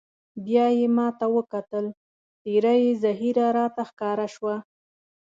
بیا یې ما ته وکتل، څېره یې زهېره راته ښکاره شوه.